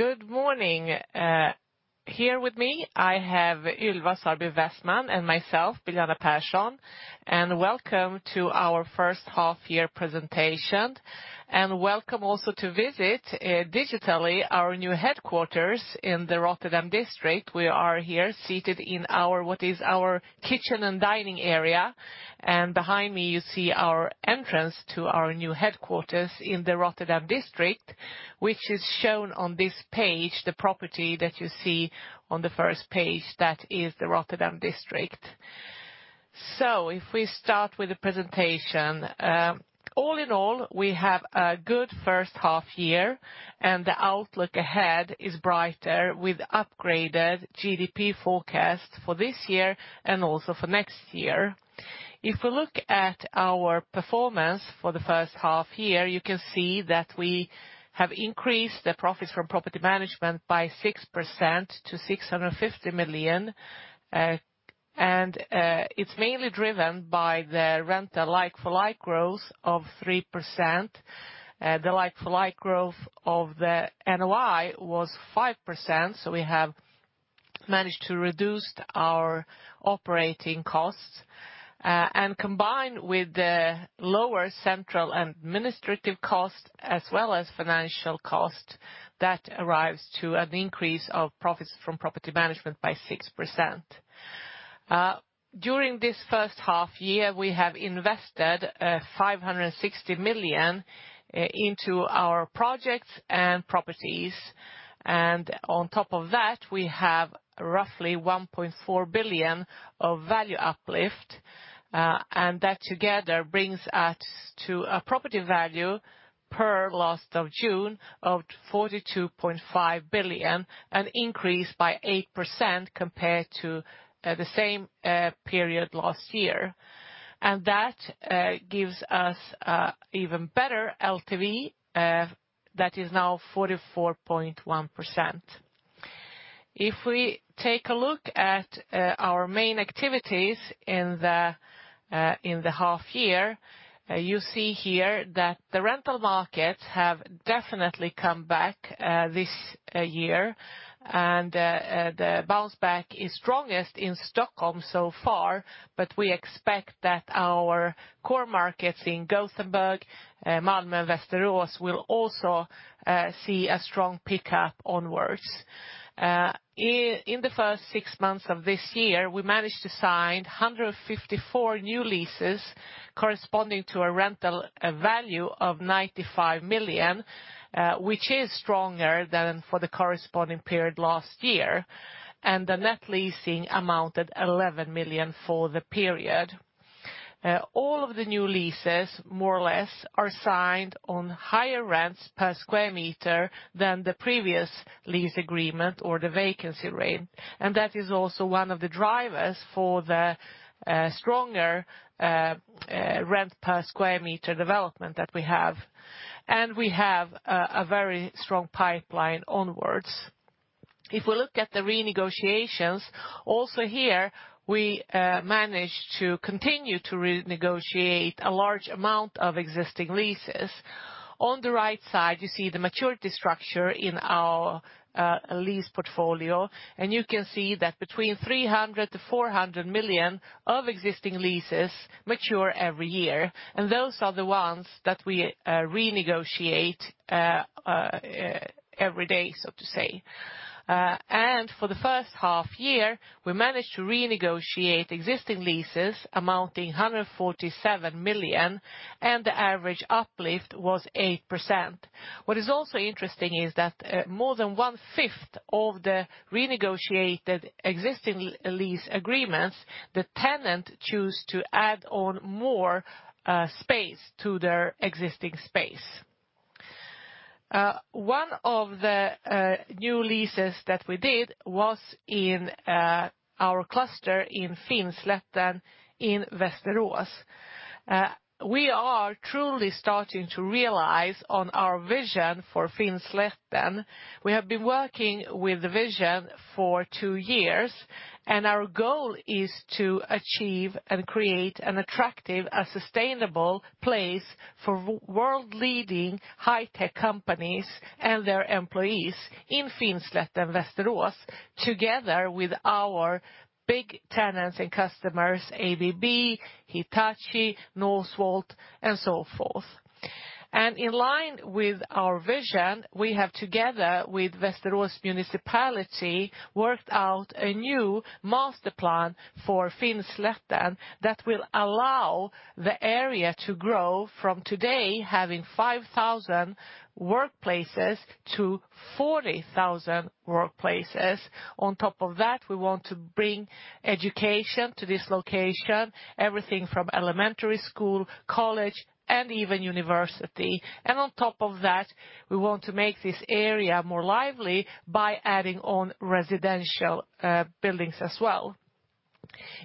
Good morning. Here with me, I have Ylva Sarby Westman and myself, Biljana Pehrsson. Welcome to our first half-year presentation, and welcome also to visit digitally our new headquarters in the Rotterdam District. We are here seated in what is our kitchen and dining area. Behind me, you see our entrance to our new headquarters in the Rotterdam District, which is shown on this page, the property that you see on the first page, that is the Rotterdam District. If we start with the presentation. All in all, we have a good first half-year, and the outlook ahead is brighter with upgraded GDP forecast for this year and also for next year. If we look at our performance for the first half-year, you can see that we have increased the profits from property management by 6% to 650 million. It's mainly driven by the rental like-for-like growth of 3%. The like-for-like growth of the NOI was 5%, so we have managed to reduce our operating costs. Combined with the lower central administrative cost as well as financial cost, that arrives to an increase of profits from property management by 6%. During this first half year, we have invested 560 million into our projects and properties. On top of that, we have roughly 1.4 billion of value uplift. That together brings us to a property value per last of June of 42.5 billion, an increase by 8% compared to the same period last year. That gives us even better LTV, that is now 44.1%. If we take a look at our main activities in the half year, you see here that the rental markets have definitely come back this year. The bounce back is strongest in Stockholm so far. We expect that our core markets in Gothenburg, Malmö, and Västerås will also see a strong pickup onwards. In the first six months of this year, we managed to sign 154 new leases corresponding to a rental value of 95 million, which is stronger than for the corresponding period last year. The net leasing amounted 11 million for the period. All of the new leases, more or less, are signed on higher rents per square meter than the previous lease agreement or the vacancy rate. That is also one of the drivers for the stronger rent per square meter development that we have. We have a very strong pipeline onwards. If we look at the renegotiations, also here, we managed to continue to renegotiate a large amount of existing leases. On the right side, you see the maturity structure in our lease portfolio, and you can see that between 300 million-400 million of existing leases mature every year. Those are the ones that we renegotiate every day, so to say. For the first half year, we managed to renegotiate existing leases amounting 147 million, and the average uplift was 8%. What is also interesting is that more than 1/5 of the renegotiated existing lease agreements, the tenant choose to add on more space to their existing space. One of the new leases that we did was in our cluster in Finnslätten in Västerås. We are truly starting to realize on our vision for Finnslätten. We have been working with the vision for two years, our goal is to achieve and create an attractive and sustainable place for world-leading high-tech companies and their employees in Finnslätten, Västerås, together with our big tenants and customers, ABB, Hitachi, Northvolt, and so forth. In line with our vision, we have, together with Municipality of Västerås, worked out a new master plan for Finnslätten that will allow the area to grow from today having 5,000 workplaces to 40,000 workplaces. On top of that, we want to bring education to this location, everything from elementary school, college, and even university. On top of that, we want to make this area more lively by adding on residential buildings as well.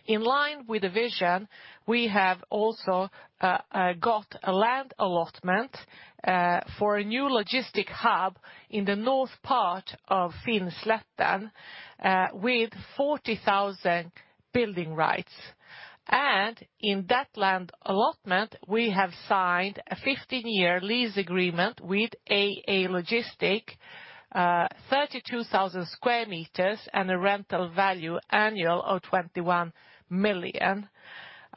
In line with the vision, we have also got a land allotment for a new logistic hub in the north part of Finnslätten with 40,000 building rights. In that land allotment, we have signed a 15-year lease agreement with AA Logistik, 32,000 sq m, and a rental value annual of 21 million.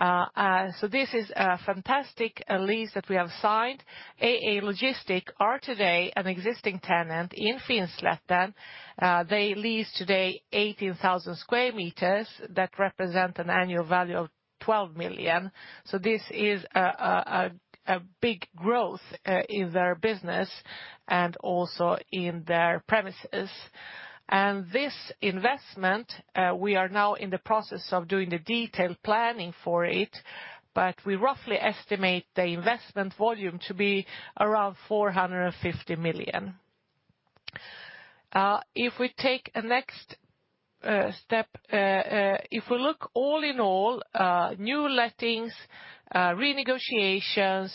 This is a fantastic lease that we have signed. AA Logistik are today an existing tenant in Finnslätten. They lease today 18,000 sq m that represent an annual value of 12 million. This is a big growth in their business and also in their premises. This investment, we are now in the process of doing the detailed planning for it, but we roughly estimate the investment volume to be around 450 million. If we take a next step, if we look all in all, new lettings, renegotiations,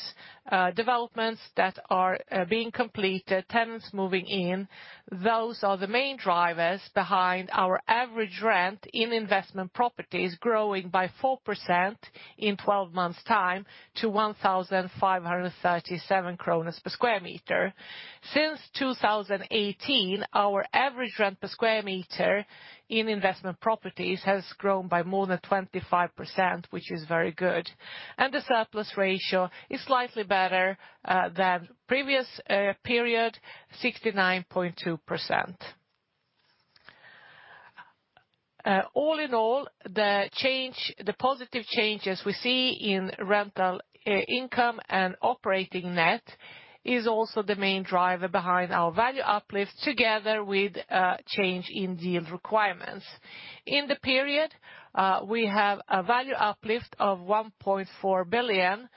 developments that are being completed, tenants moving in, those are the main drivers behind our average rent in investment properties growing by 4% in 12 months time to 1,537 per sq m. Since 2018, our average rent per sq m in investment properties has grown by more than 25%, which is very good, and the surplus ratio is slightly better than previous period, 69.2%. All in all, the positive changes we see in rental income and operating net is also the main driver behind our value uplifts together with a change in yield requirements. In the period, we have a value uplift of 1.4 billion.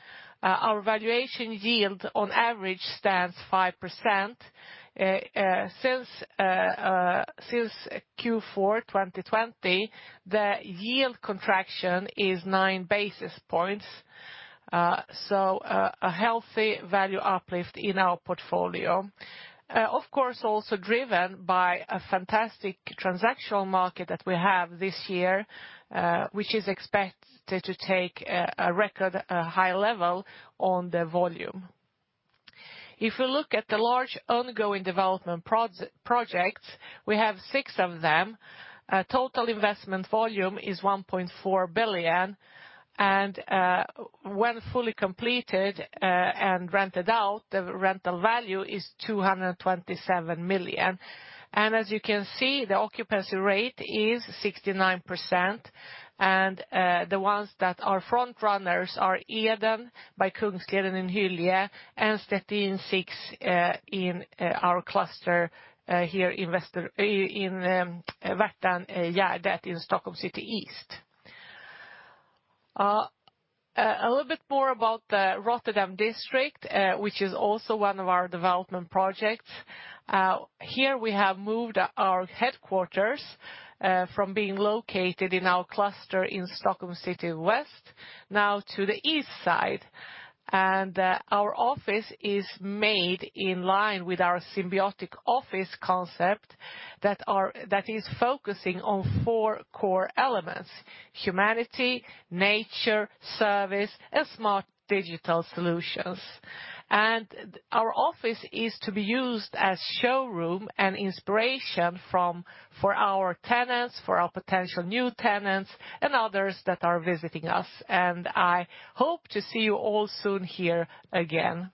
Our valuation yield on average stands 5%. Since Q4 2020, the yield contraction is 9 basis points, a healthy value uplift in our portfolio. Of course, also driven by a fantastic transactional market that we have this year, which is expected to take a record high level on the volume. If we look at the large ongoing development projects, we have six of them. Total investment volume is 1.4 billion. When fully completed and rented out, the rental value is 227 million. As you can see, the occupancy rate is 69%. The ones that are front runners are Eden by Kungsleden in Hyllie and Stettin 6 in our cluster here in Värtan, that in Stockholm City East. A little bit more about the Rotterdam district, which is also one of our development projects. Here we have moved our headquarters from being located in our cluster in Stockholm City West now to the east side. Our office is made in line with our Symbiotic office concept that is focusing on four core elements: humanity, nature, service, and smart digital solutions. Our office is to be used as showroom and inspiration for our tenants, for our potential new tenants, and others that are visiting us. I hope to see you all soon here again.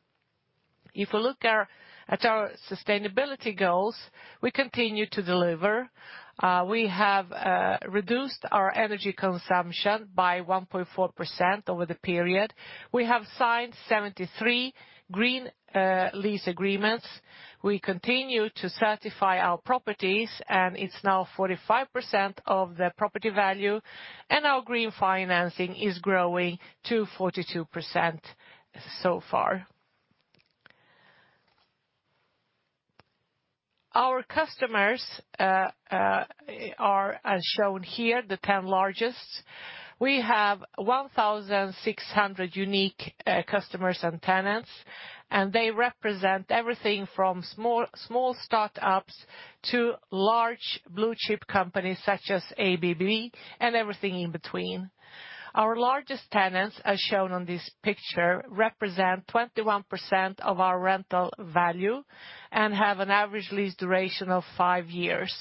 If we look at our sustainability goals, we continue to deliver. We have reduced our energy consumption by 1.4% over the period. We have signed 73 green lease agreements. We continue to certify our properties, and it's now 45% of the property value, and our green financing is growing to 42% so far. Our customers are as shown here, the 10 largest. We have 1,600 unique customers and tenants, and they represent everything from small startups to large blue-chip companies such as ABB and everything in between. Our largest tenants, as shown on this picture, represent 21% of our rental value and have an average lease duration of five years.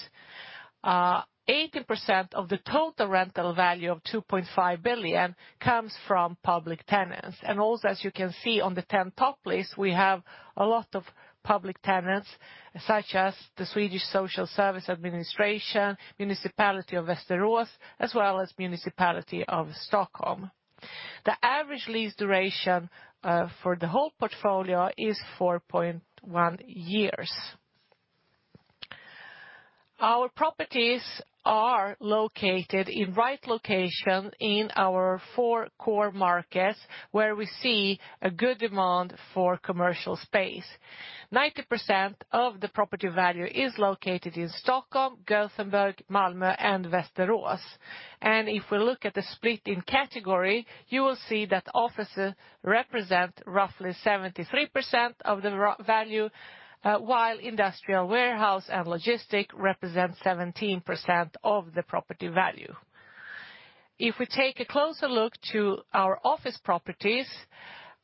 80% of the total rental value of 2.5 billion comes from public tenants. Also, as you can see on the 10 top list, we have a lot of public tenants, such as the Swedish Social Insurance Agency, Municipality of Västerås, as well as Municipality of Stockholm. The average lease duration for the whole portfolio is 4.1 years. Our properties are located in right location in our four core markets where we see a good demand for commercial space. 90% of the property value is located in Stockholm, Gothenburg, Malmö, and Västerås. If we look at the split in category, you will see that offices represent roughly 73% of the value, while industrial warehouse and logistic represent 17% of the property value. If we take a closer look to our office properties,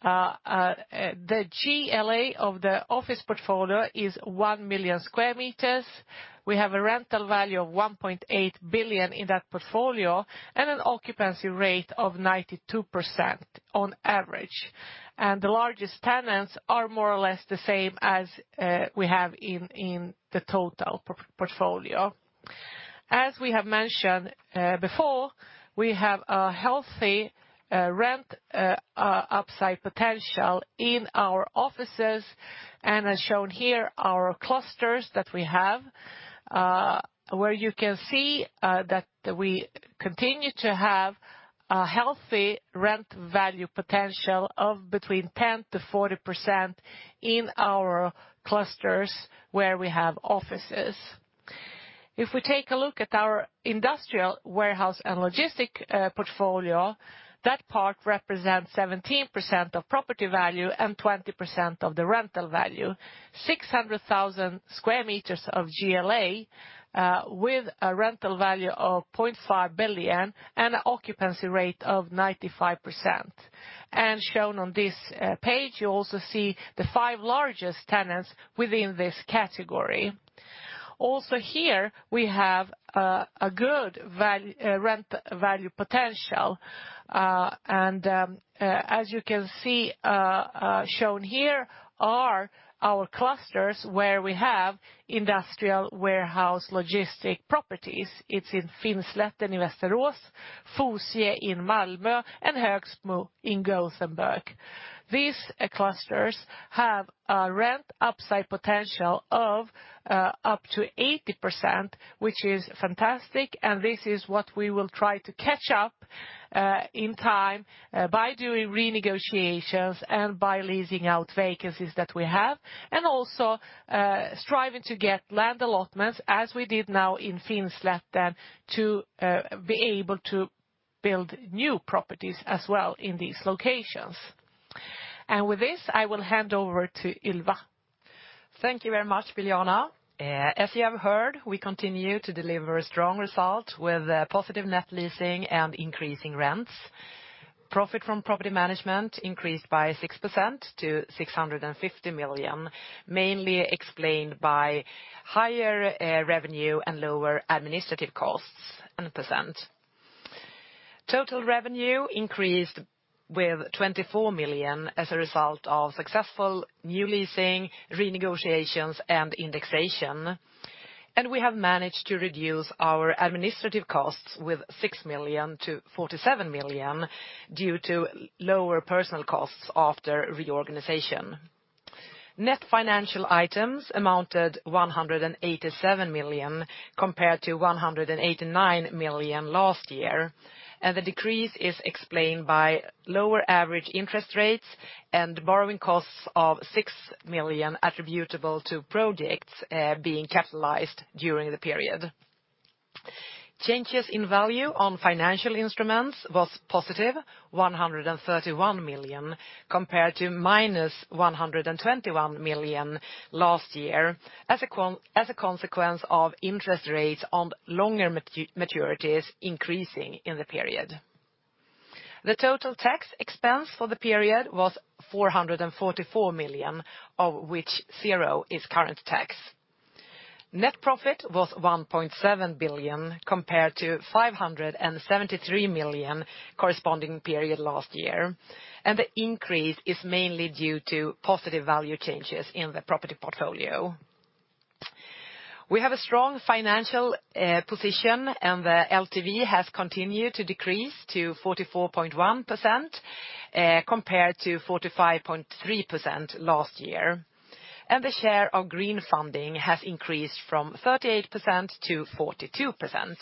the GLA of the office portfolio is 1 million sq m. We have a rental value of 1.8 billion in that portfolio and an occupancy rate of 92% on average. The largest tenants are more or less the same as we have in the total portfolio. As we have mentioned before, we have a healthy rent upside potential in our offices and as shown here are clusters that we have, where you can see that we continue to have a healthy rent value potential of between 10%-40% in our clusters where we have offices. If we take a look at our industrial warehouse and logistic portfolio, that part represents 17% of property value and 20% of the rental value, 600,000 sq m of GLA, with a rental value of 0.5 billion and an occupancy rate of 95%. Shown on this page, you also see the five largest tenants within this category. Also here we have a good rent value potential. As you can see, shown here are our clusters where we have industrial warehouse logistics properties. It's in Finnslätten in Västerås, Fosie in Malmö, and Högsbo in Gothenburg. These clusters have a rent upside potential of up to 80%, which is fantastic, and this is what we will try to catch up in time by doing renegotiations and by leasing out vacancies that we have. Also striving to get land allotments as we did now in Finnslätten to be able to build new properties as well in these locations. With this, I will hand over to Ylva. Thank you very much, Biljana. As you have heard, we continue to deliver strong results with positive net leasing and increasing rents. Profit from property management increased by 6% to 650 million, mainly explained by higher revenue and lower administrative costs. Total revenue increased with 24 million as a result of successful new leasing, renegotiations, and indexation. We have managed to reduce our administrative costs with 6 million-47 million due to lower personal costs after reorganization. Net financial items amounted 187 million compared to 189 million last year. The decrease is explained by lower average interest rates and borrowing costs of 6 million attributable to projects being capitalized during the period. Changes in value on financial instruments was positive, 131 million, compared to -121 million last year, as a consequence of interest rates on longer maturities increasing in the period. The total tax expense for the period was 444 million, of which 0 is current tax. Net profit was 1.7 billion compared to 573 million corresponding period last year. The increase is mainly due to positive value changes in the property portfolio. We have a strong financial position. The LTV has continued to decrease to 44.1% compared to 45.3% last year. The share of green funding has increased from 38%-42%.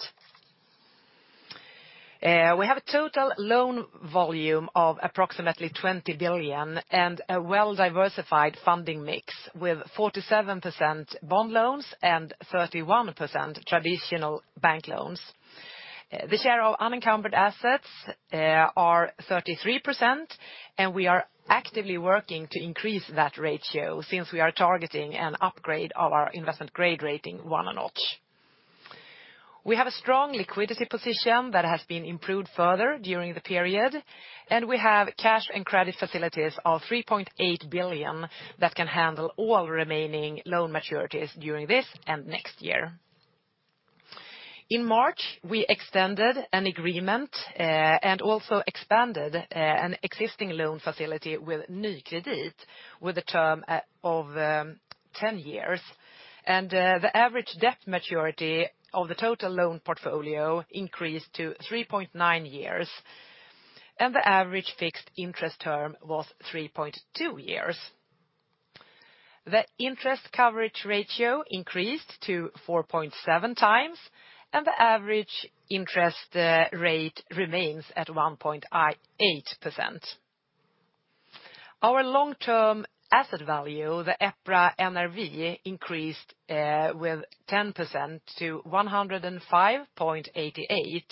We have a total loan volume of approximately 20 billion and a well-diversified funding mix with 47% bond loans and 31% traditional bank loans. The share of unencumbered assets are 33%. We are actively working to increase that ratio since we are targeting an upgrade of our investment grade rating one a notch. We have a strong liquidity position that has been improved further during the period. We have cash and credit facilities of 3.8 billion that can handle all remaining loan maturities during this and next year. In March, we extended an agreement and also expanded an existing loan facility with Nykredit with a term of 10 years. The average debt maturity of the total loan portfolio increased to 3.9 years. The average fixed interest term was 3.2 years. The interest coverage ratio increased to 4.7x. The average interest rate remains at 1.8%. Our long-term asset value, the EPRA NRV, increased with 10% to 105.88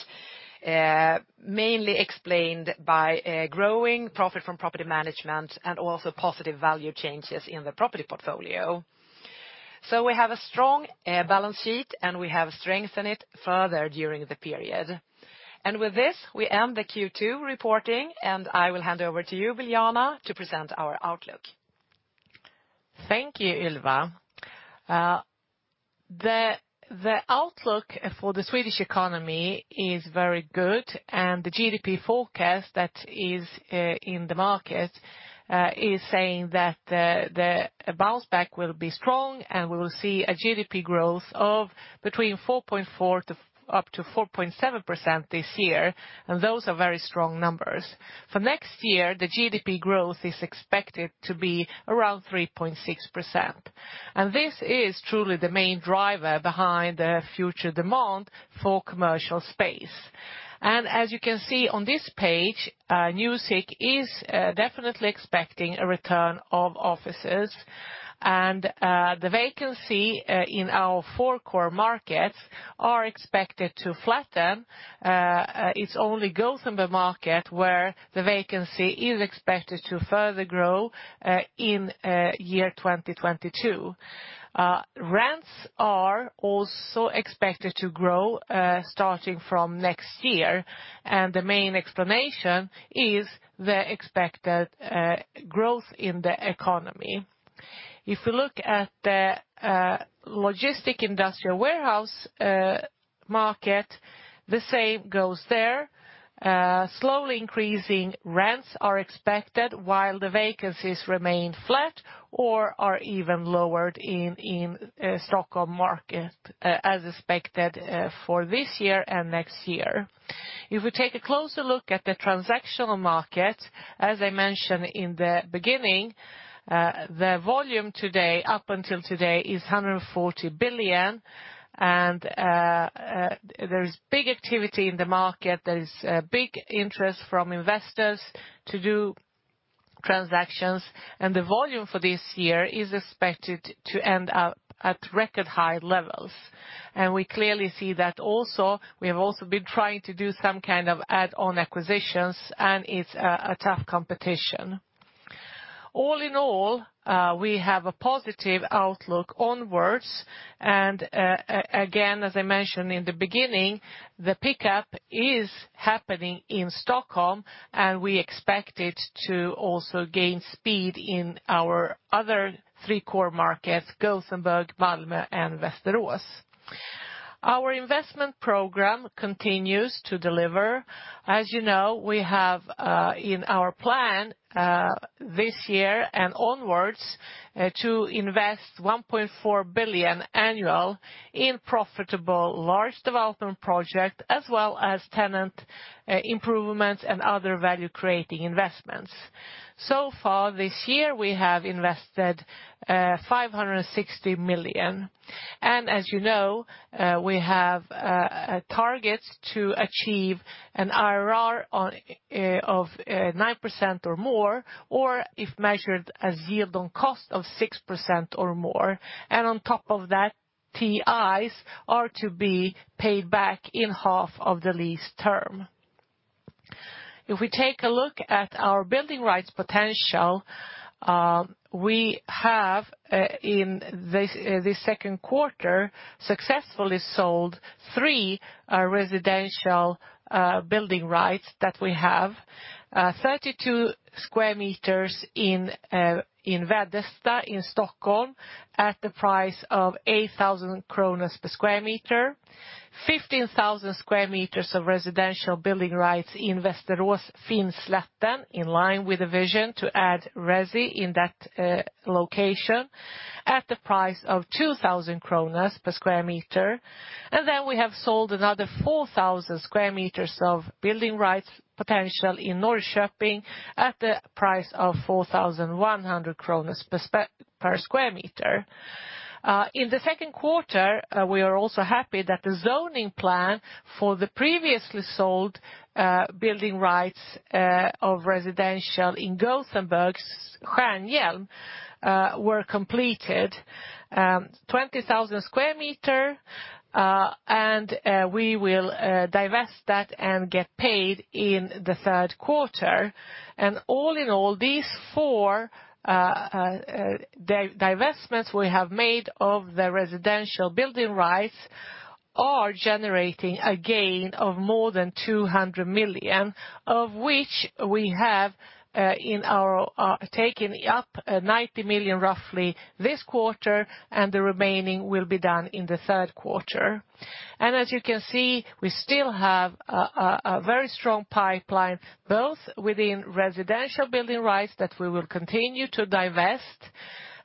million, mainly explained by a growing profit from property management and also positive value changes in the property portfolio. We have a strong balance sheet, and we have strengthened it further during the period. With this, we end the Q2 reporting, and I will hand over to you, Biljana, to present our outlook. Thank you, Ylva. The outlook for the Swedish economy is very good, and the GDP forecast that is in the market is saying that the bounce back will be strong, and we will see a GDP growth of between 4.4% up to 4.7% this year, and those are very strong numbers. For next year, the GDP growth is expected to be around 3.6%. This is truly the main driver behind future demand for commercial space. As you can see on this page, Newsec is definitely expecting a return of offices, the vacancy in our four core markets are expected to flatten. It only goes in the market where the vacancy is expected to further grow in 2022. Rents are also expected to grow starting from next year, and the main explanation is the expected growth in the economy. If you look at the logistic industrial warehouse market, the same goes there. Slowly increasing rents are expected while the vacancies remain flat or are even lowered in Stockholm market, as expected for this year and next year. If we take a closer look at the transactional market, as I mentioned in the beginning, the volume up until today is 140 billion, and there is big activity in the market. There's a big interest from investors to do transactions, the volume for this year is expected to end up at record high levels. We clearly see that also, we have also been trying to do some kind of add-on acquisitions, and it's a tough competition. All in all, we have a positive outlook onwards, and again, as I mentioned in the beginning, the pickup is happening in Stockholm, and we expect it to also gain speed in our other three core markets, Gothenburg, Malmö, and Västerås. Our investment program continues to deliver. As you know, we have in our plan this year and onwards to invest 1.4 billion annual in profitable large development projects, as well as tenant improvements and other value-creating investments. Far this year, we have invested 560 million, as you know, we have targets to achieve an IRR of 9% or more, or if measured as yield on cost of 6% or more, on top of that, TIs are to be paid back in half of the lease term. If we take a look at our building rights potential, we have in this second quarter successfully sold three residential building rights that we have, 32,000 sq m in Veddesta in Stockholm at the price of 8,000 kronor per sq m, 15,000 sq m of residential building rights in Västerås, Finnslätten, in line with the vision to add resi in that location at the price of 2,000 kronor per sq m. Then we have sold another 4,000 sq m of building rights potential in Norrköping at the price of 4,100 per sq m. In the second quarter, we are also happy that the zoning plan for the previously sold building rights of residential in Gothenburg, Stjärnljus, were completed, 20,000 sq m. We will divest that and get paid in the third quarter. All in all, these four divestments we have made of the residential building rights are generating a gain of more than 200 million, of which we have taken up 90 million roughly this quarter. The remaining will be done in the third quarter. As you can see, we still have a very strong pipeline, both within residential building rights that we will continue to divest,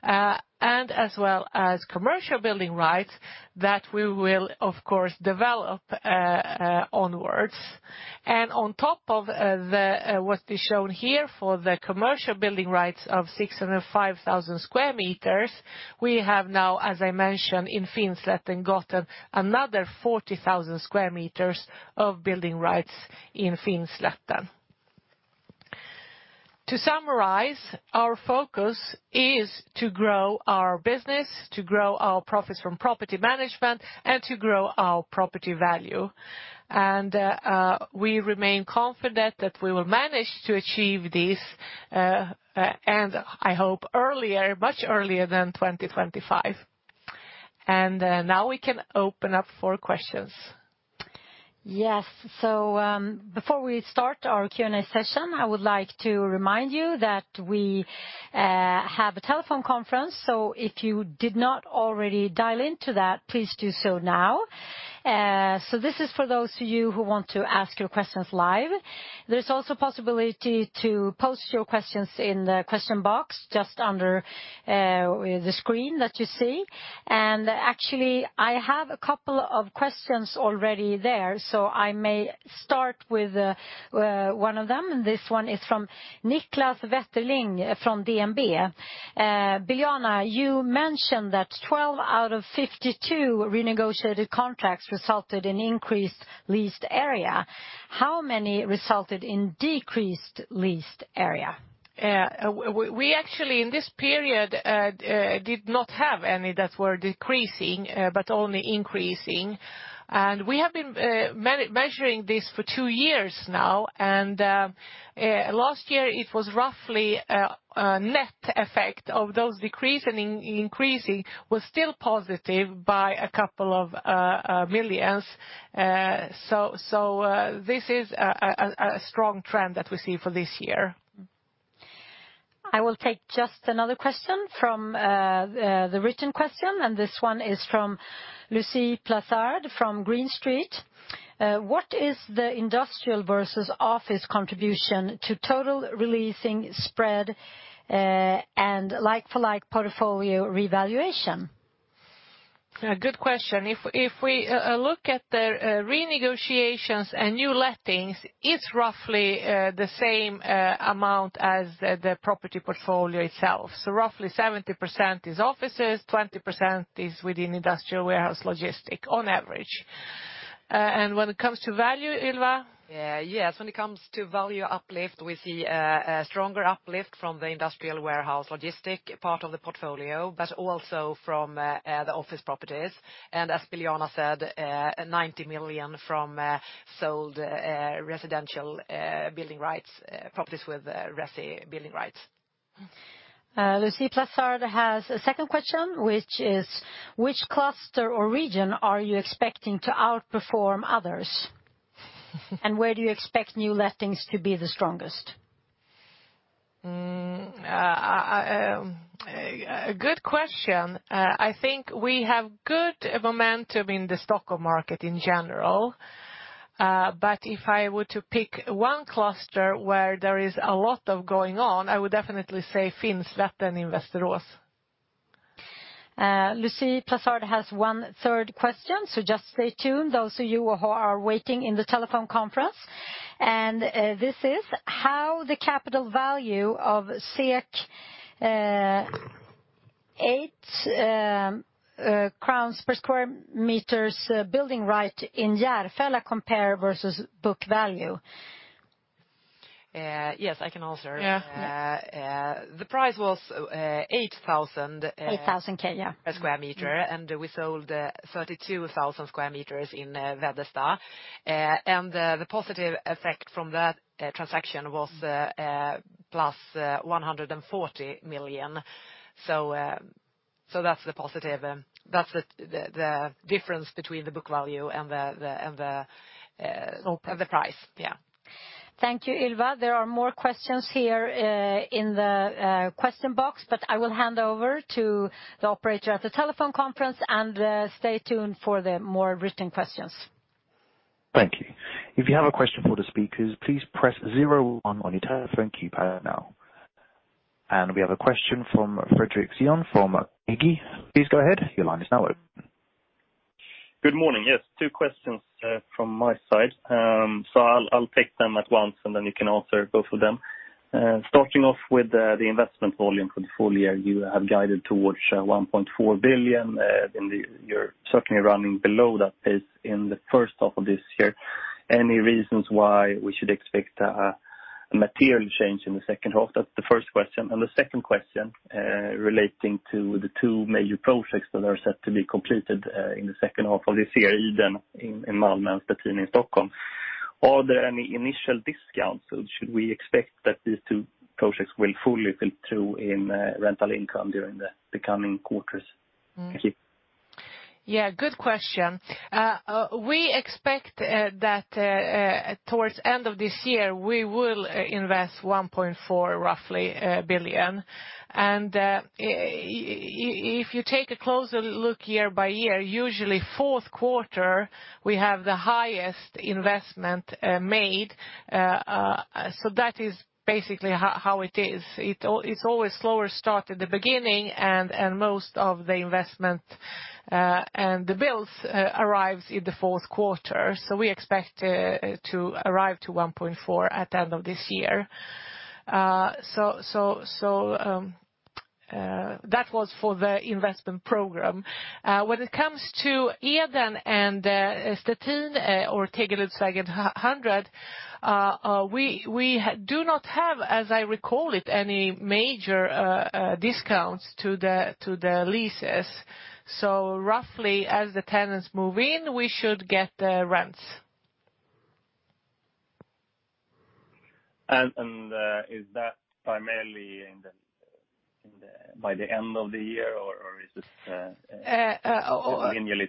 as well as commercial building rights that we will, of course, develop onwards. On top of what we show here for the commercial building rights of 605,000 sq m, we have now, as I mentioned, in Finnslätten gotten another 40,000 sq m of building rights in Finnslätten. To summarize, our focus is to grow our business, to grow our profits from property management, and to grow our property value. We remain confident that we will manage to achieve this, and I hope much earlier than 2025. Now we can open up for questions. Yes. Before we start our Q&A session, I would like to remind you that we have a telephone conference. If you did not already dial into that, please do so now. This is for those of you who want to ask your questions live. There's also possibility to post your questions in the question box just under the screen that you see. Actually, I have a couple of questions already there, so I may start with one of them, and this one is from Niklas Wetterling from DNB. "Biljana Pehrsson, you mentioned that 12 out of 52 renegotiated contracts resulted in increased leased area. How many resulted in decreased leased area? We actually, in this period, did not have any that were decreasing, but only increasing. We have been measuring this for two years now, last year it was roughly a net effect of those decreasing, increasing was still positive by a couple of SEK billions. This is a strong trend that we see for this year. I will take just another question from the written question. This one is from Lucy Plathard from Green Street. "What is the industrial versus office contribution to total releasing spread, and like-for-like portfolio revaluation? Good question. If we look at the renegotiations and new lettings, it's roughly the same amount as the property portfolio itself. Roughly 70% is offices, 20% is within industrial warehouse logistic on average. When it comes to value, Ylva? Yes. When it comes to value uplift, we see a stronger uplift from the industrial warehouse logistic part of the portfolio, also from the office properties. As Biljana Pehrsson said, 90 million from sold residential building rights, properties with resi building rights. Lucy Plathard has a second question, which is, which cluster or region are you expecting to outperform others? Where do you expect new lettings to be the strongest? Good question. I think we have good momentum in the Stockholm market in general. If I were to pick one cluster where there is a lot going on, I would definitely say Finnslätten and Västerås. Lucy Plathard has 1/3 question, so just stay tuned, those of you who are waiting in the telephone conference. This is how the capital value of 8,000 crowns per sq m building right in Järfälla compare versus book value? Yes, I can answer. Yeah. The price was 8,000. 8,000, okay yeah. Square meter. We sold 32,000 sq m in Veddesta. The positive effect from that transaction was plus 140 million. That's the positive and that's the difference between the book value and the price, yeah. Thank you, Ylva. There are more questions here in the question box. I will hand over to the operator at the telephone conference and stay tuned for the more written questions. Thank you. If you have a question for the speakers, please press zero on your telephone keypad now. We have a question from Fredrik Stensved from ABG Sundal Collier. Please go ahead. Your line is now open. Good morning. Two questions from my side. I'll take them at once, you can answer both of them. Starting off with the investment volume portfolio, you have guided towards 1.4 billion, you're certainly running below that pace in the first half of this year. Any reasons why we should expect a material change in the second half? That's the first question. The second question, relating to the two major projects that are set to be completed in the second half of this year, Eden in Malmö and Platin in Stockholm. Are there any initial discounts, should we expect that these two projects will fully flip through in rental income during the coming quarters? Thank you. Yeah, good question. We expect that towards end of this year, we will invest 1.4 billion. If you take a closer look year-by-year, usually fourth quarter, we have the highest investment made. That is basically how it is. It's always slower start at the beginning, and most of the investment and the bills arrives in the fourth quarter. We expect to arrive to 1.4 billion at end of this year. That was for the investment program. When it comes to Eden and Stettin 6 or Tegeluddshagen 100, we do not have, as I recall it, any major discounts to the leases. Roughly as the tenants move in, we should get the rents. Is that primarily by the end of the year, or is this similarly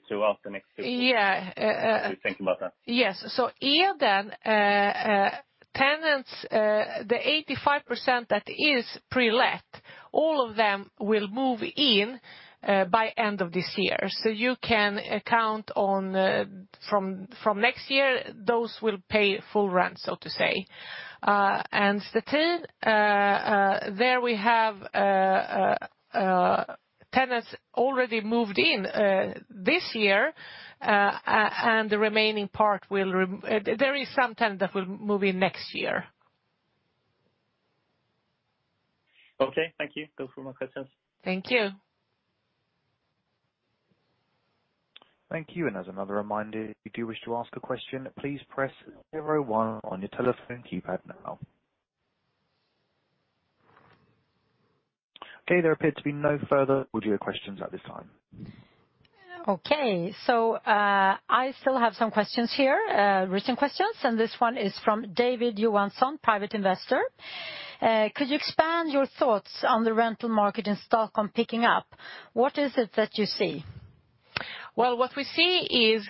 throughout the next year? Yeah. If we think about that. Yes. Eden tenants, the 85% that is pre-let, all of them will move in by end of this year. You can count on from next year those will pay full rent, so to say. Stettin 6 there we have tenants already moved in this year, and the remaining part there is some tenant that will move in next year. Okay, thank you. Those were my questions. Thank you. Thank you. As another reminder, if you do wish to ask a question, please press zero one on your telephone keypad now. Okay, there appear to be no further audio questions at this time. Okay, I still have some questions here, written questions, and this one is from David Johansson, private investor. Could you expand your thoughts on the rental market in Stockholm picking up? What is it that you see? Well, what we see is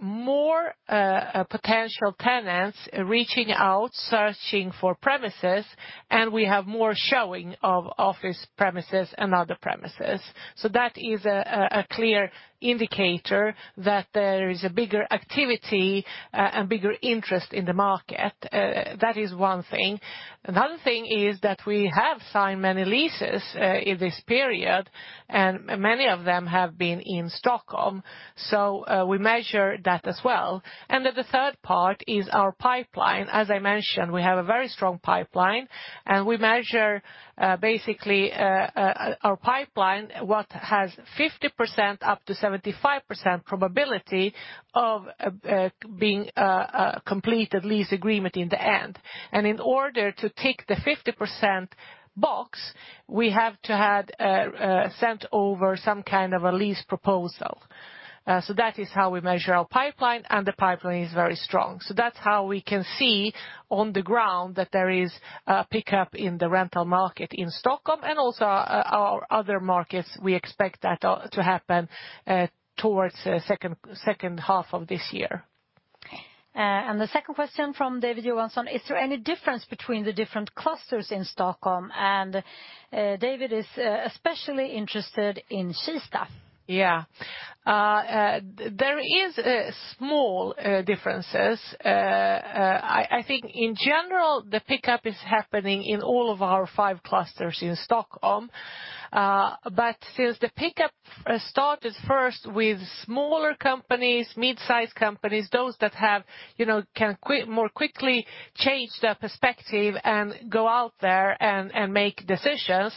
more potential tenants reaching out, searching for premises, and we have more showing of office premises and other premises. That is a clear indicator that there is a bigger activity and bigger interest in the market. That is one thing. Another thing is that we have signed many leases in this period, and many of them have been in Stockholm, we measure that as well. The third part is our pipeline. As I mentioned, we have a very strong pipeline, we measure basically our pipeline, what has 50% up to 75% probability of being a completed lease agreement in the end. In order to tick the 50% box, we have to have sent over some kind of a lease proposal. That is how we measure our pipeline, and the pipeline is very strong. That's how we can see on the ground that there is a pickup in the rental market in Stockholm and also our other markets. We expect that to happen towards the second half of this year. The second question from David Johansson, is there any difference between the different clusters in Stockholm? David is especially interested in Kista. Yeah. There is small differences. I think in general the pickup is happening in all of our five clusters in Stockholm. Since the pickup started first with smaller companies, mid-size companies, those that can more quickly change their perspective and go out there and make decisions,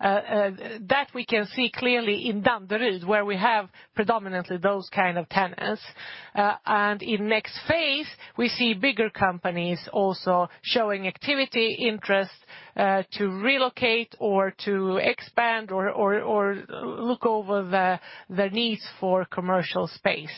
that we can see clearly in Danderyd where we have predominantly those kind of tenants. In next phase, we see bigger companies also showing activity interest to relocate or to expand or look over the needs for commercial space.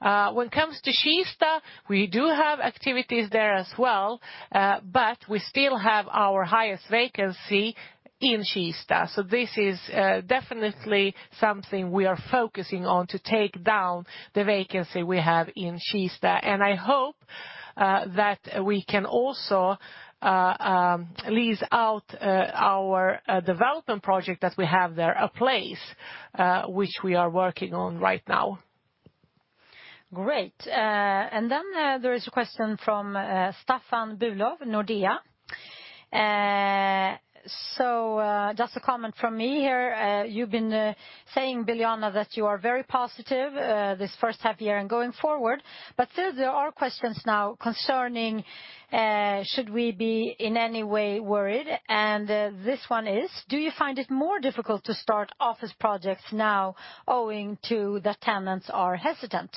When it comes to Kista, we do have activities there as well, but we still have our highest vacancy in Kista. This is definitely something we are focusing on to take down the vacancy we have in Kista. I hope that we can also lease out our development project that we have there, a:place, which we are working on right now. Great. Then there is a question from Staffan Bülow, Nordea. Just a comment from me here. You've been saying, Biljana Pehrsson, that you are very positive this first half year and going forward, still there are questions now concerning should we be in any way worried? This one is: Do you find it more difficult to start office projects now owing to the tenants are hesitant?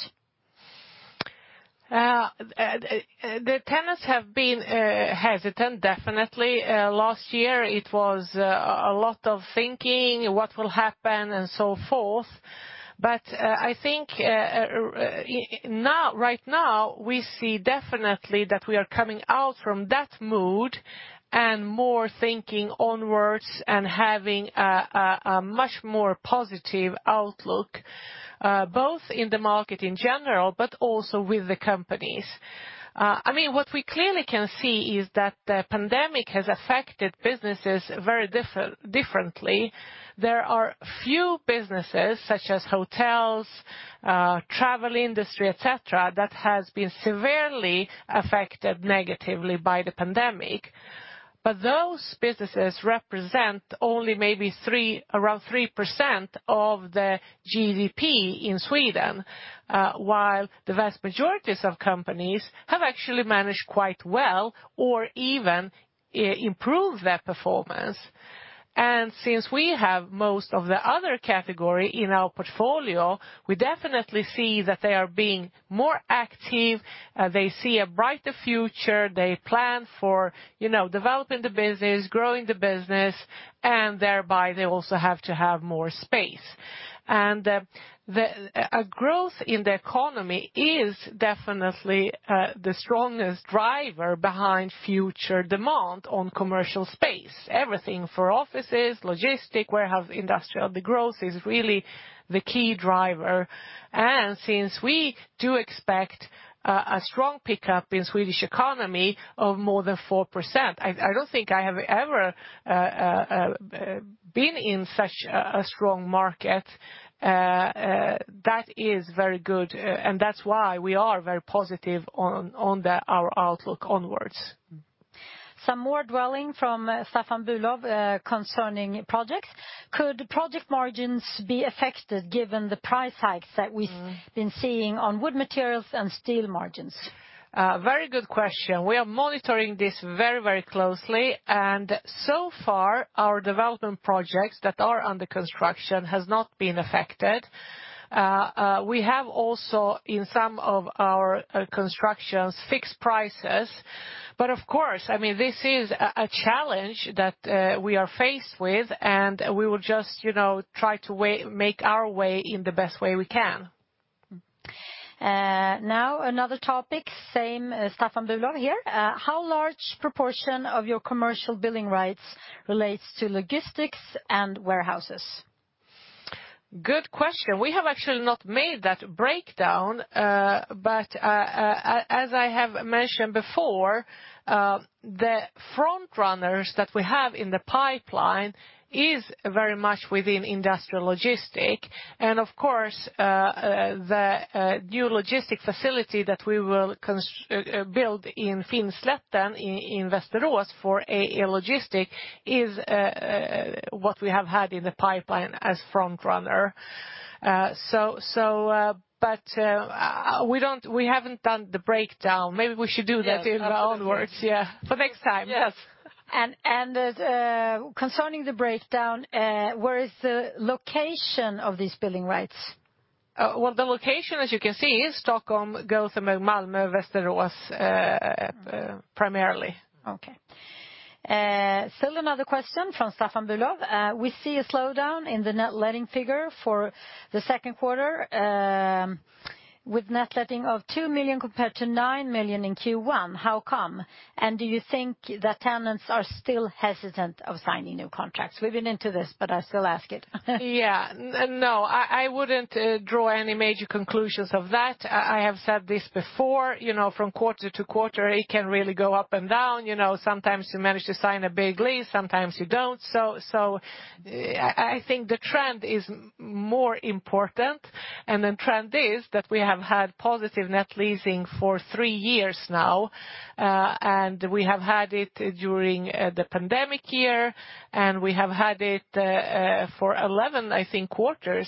The tenants have been hesitant definitely. Last year it was a lot of thinking what will happen and so forth. I think right now we see definitely that we are coming out from that mood and more thinking onwards and having a much more positive outlook, both in the market in general, but also with the companies. What we clearly can see is that the pandemic has affected businesses very differently. There are few businesses such as hotels, travel industry, etc, that has been severely affected negatively by the pandemic. Those businesses represent only maybe around 3% of the GDP in Sweden, while the vast majority of companies have actually managed quite well or even improved their performance. Since we have most of the other category in our portfolio, we definitely see that they are being more active, they see a brighter future, they plan for developing the business, growing the business, and thereby they also have to have more space. Growth in the economy is definitely the strongest driver behind future demand on commercial space. Everything for offices, logistics, warehouse, industrial, the growth is really the key driver. Since we do expect a strong pickup in Swedish economy of more than 4%, I don't think I have ever been in such a strong market. That is very good, and that's why we are very positive on our outlook onwards. Some more dwelling from Staffan Bülow concerning projects. Could project margins be affected given the price hikes that we've been seeing on wood materials and steel margins? Very good question. So far, our development projects that are under construction has not been affected. We have also, in some of our constructions, fixed prices. Of course, this is a challenge that we are faced with, and we will just try to make our way in the best way we can. Now another topic, same Staffan Bülow here. How large proportion of your commercial building rights relates to logistics and warehouses? Good question. We have actually not made that breakdown, but as I have mentioned before, the front runners that we have in the pipeline is very much within industrial logistics. Of course, the new logistic facility that we will build in Finnslätten in Västerås for AA Logistik is what we have had in the pipeline as front runner. We haven't done the breakdown. Maybe we should do that afterwards. For next time. Yes. Concerning the breakdown, where is the location of these building rights? Well, the location, as you can see, is Stockholm, Göteborg, Malmö, Västerås primarily. Okay. Still another question from Staffan Bülow. We see a slowdown in the net letting figure for the second quarter, with net letting of 2 million compared to 9 million in Q1. How come? Do you think the tenants are still hesitant of signing new contracts? We've been into this, but I still ask it. Yeah. No, I wouldn't draw any major conclusions of that. I have said this before, from quarter to quarter, it can really go up and down. Sometimes you manage to sign a big lease, sometimes you don't. I think the trend is more important, and the trend is that we have had positive net leasing for three years now, and we have had it during the pandemic year, and we have had it for 11, I think, quarters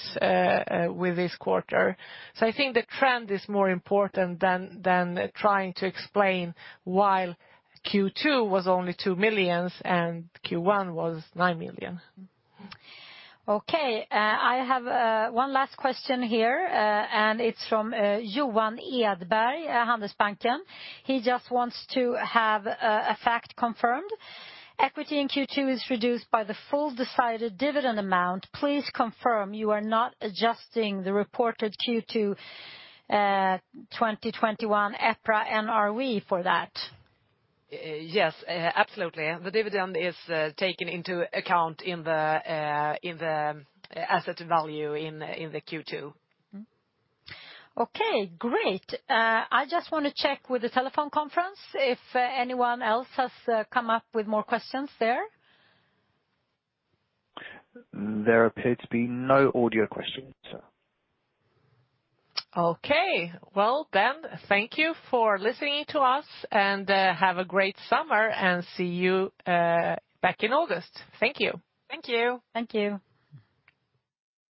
with this quarter. I think the trend is more important than trying to explain why Q2 was only 2 million and Q1 was 9 million. Okay, I have one last question here, and it's from Johan Edberg, Handelsbanken. He just wants to have a fact confirmed. Equity in Q2 is reduced by the full decided dividend amount. Please confirm you are not adjusting the reported Q2 2021 EPRA NRV for that. Yes, absolutely. The dividend is taken into account in the asset value in the Q2. Okay, great. I just want to check with the telephone conference if anyone else has come up with more questions there. There appear to be no audio questions. Okay, well then, thank you for listening to us, and have a great summer and see you back in August. Thank you. Thank you. Thank you.